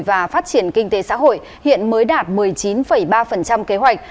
và phát triển kinh tế xã hội hiện mới đạt một mươi chín ba kế hoạch